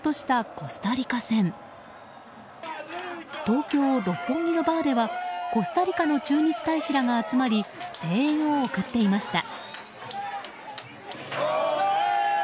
東京・六本木のバーではコスタリカの駐日大使らが集まり声援を送っていました。